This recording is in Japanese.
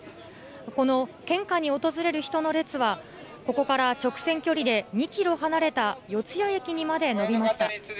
この献花に訪れる人の列は、ここから直線距離で２キロ離れた四ツ谷駅にまで延びました。